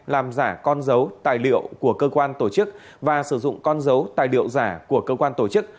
làm giả con dấu tài liệu của cơ quan tổ chức và sử dụng con dấu tài liệu giả của cơ quan tổ chức